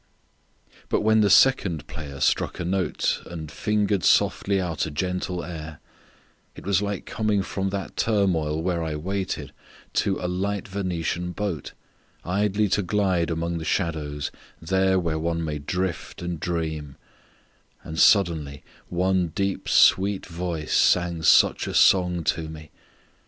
II. But when the second player struck a note And fingered softly out a gentle air It was like coming from that turmoil where I waited, to a light Venetian boat, Idly to glide among the shadows, there Where one may drift and dream; and suddenly One deep sweet voice sang such a song to me.